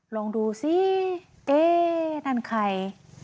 ลองดูซิเอ๊นั่นใคร